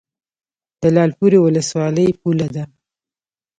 د لعل پورې ولسوالۍ پوله ده